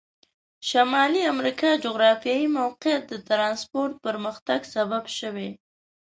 شمالي امریکا جغرافیایي موقعیت د ترانسپورت پرمختګ سبب شوي.